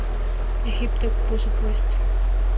Egipto ocupó su puesto.